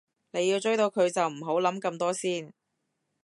你要追到佢就唔好諗咁多先